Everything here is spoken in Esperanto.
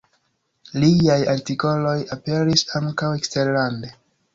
Liaj artikoloj aperis ankaŭ eksterlande.